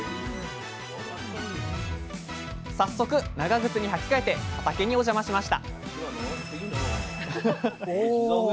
早速長靴に履き替えて畑にお邪魔しましたお！